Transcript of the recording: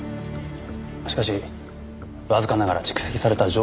しかしわずかながら蓄積された情報があります。